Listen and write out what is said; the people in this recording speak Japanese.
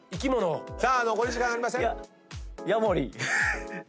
さあ残り時間ありません！